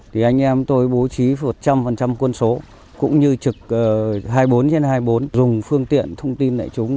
thì anh em tôi bố trí một trăm linh quân số cũng như trực hai mươi bốn trên hai mươi bốn dùng phương tiện thông tin đại chúng